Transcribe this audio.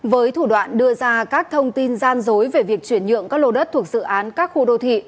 với thủ đoạn đưa ra các thông tin gian dối về việc chuyển nhượng các lô đất thuộc dự án các khu đô thị